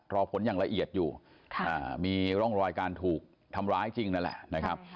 รอผลอย่างละเอียดอยู่มีร่องรอยการถูกทำร้ายจริงนั่นแหละนะครับ